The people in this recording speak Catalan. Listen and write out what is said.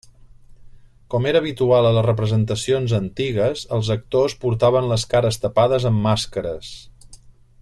Com era habitual a les representacions antigues, els actors portaven les cares tapades amb màscares.